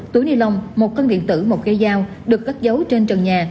túi ni lông một cân điện tử một cây dao được cất giấu trên trần nhà